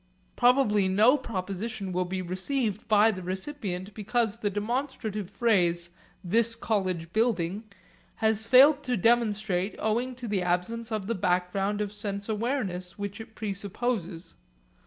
Probably no proposition will be received by the recipient because the demonstrative phrase, 'This college building' has failed to demonstrate owing to the absence of the background of sense awareness which it presupposes.